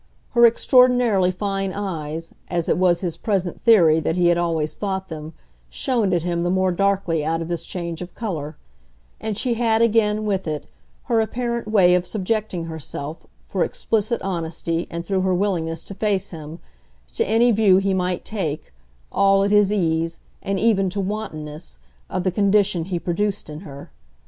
Her extraordinarily fine eyes, as it was his present theory that he had always thought them, shone at him the more darkly out of this change of colour; and she had again, with it, her apparent way of subjecting herself, for explicit honesty and through her willingness to face him, to any view he might take, all at his ease, and even to wantonness, of the condition he produced in her.